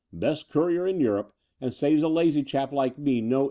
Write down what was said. ''Best courier in Europe, and saves a lazy diap like me no.